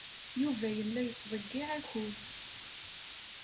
Yuba yella yettḍeyyiɛ akud.